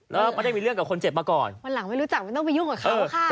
แล้วไม่ได้มีเรื่องกับคนเจ็บมาก่อนวันหลังไม่รู้จักไม่ต้องไปยุ่งกับเขาค่ะ